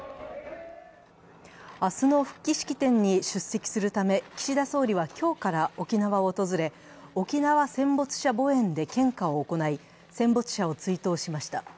明日の復帰式典に出席するため岸田総理は今日から沖縄を訪れ沖縄戦没者墓苑で献花を行い、戦没者を追悼しました。